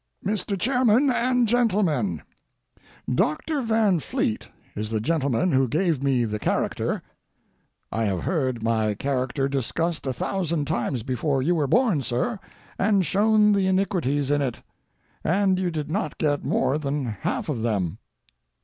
MR. CHAIRMAN AND GENTLEMEN,—Dr. Van Fleet is the gentleman who gave me the character. I have heard my character discussed a thousand times before you were born, sir, and shown the iniquities in it, and you did not get more than half of them.